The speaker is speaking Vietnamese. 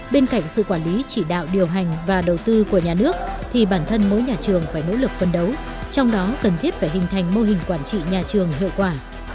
bên cạnh sự quản lý chỉ đạo điều hành và đầu tư của nhà nước thì bản thân mỗi nhà trường phải nỗ lực phân đấu trong đó cần thiết phải hình thành mô hình quản trị nhà trường hiệu quả